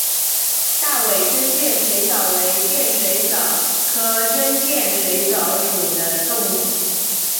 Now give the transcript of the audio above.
大尾真剑水蚤为剑水蚤科真剑水蚤属的动物。